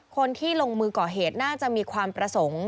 คนที่ลงมือก่อเหตุน่าจะมีความประสงค์